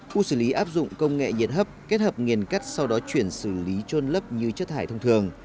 khu xử lý áp dụng công nghệ nhiệt hấp kết hợp nghiền cắt sau đó chuyển xử lý trôn lấp như chất thải thông thường